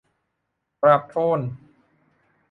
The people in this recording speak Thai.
กราบทูล